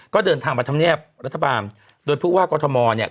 ก็เดินทางมาทำเนียบรัฐบาลโดยผู้ว่ากอทมเนี่ย